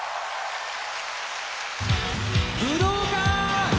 武道館！